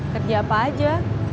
kerja apa aja